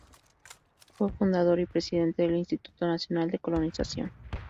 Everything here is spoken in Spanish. Fue fundador y presidente del Instituto Nacional de Colonización.